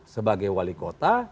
sebagai wali kota